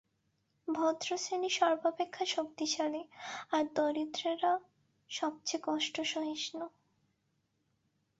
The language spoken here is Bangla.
ভদ্রশ্রেণী সর্বাপেক্ষা শক্তিশালী, আর দরিদ্রেরা সবচেয়ে কষ্টসহিষ্ণু।